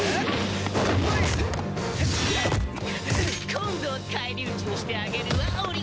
今度は返り討ちにしてあげるわオリヒメ。